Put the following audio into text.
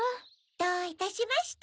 どういたしまして。